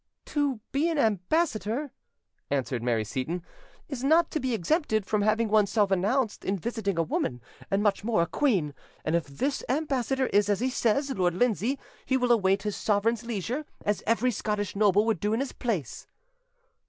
"To be an ambassador," answered Mary Seyton, "is not to be exempted from having oneself announced in visiting a woman, and much more a queen; and if this ambassador is, as he says, Lord Lindsay, he will await his sovereign's leisure, as every Scottish noble would do in his place."